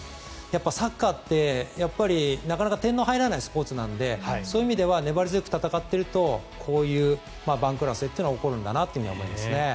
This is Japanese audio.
サッカーって、なかなか点の入らないスポーツなのでそういう意味では粘り強く戦っているとこういう番狂わせというのが起こるんだなと思いますね。